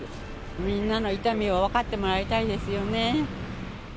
みんなの痛みを分かってもらいたいですよね。